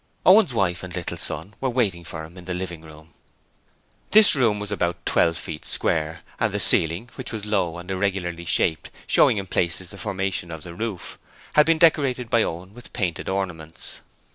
Owen's wife and little son were waiting for him in the living room. This room was about twelve feet square and the ceiling which was low and irregularly shaped, showing in places the formation of the roof had been decorated by Owen with painted ornaments.